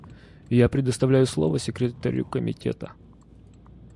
Я предоставляю слово Секретарю Комитета.